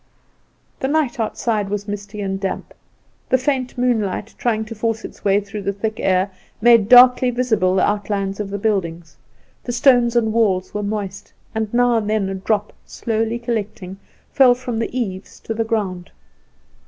The night outside was misty and damp; the faint moonlight, trying to force its way through the thick air, made darkly visible the outlines of the buildings. The stones and walls were moist, and now and then a drop, slowly collecting, fell from the eaves to the ground.